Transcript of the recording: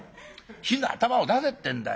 火の頭を出せってんだよ。